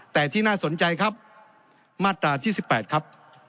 แต่ที่น่าสนใจครับมาตราที่๑๘ครับ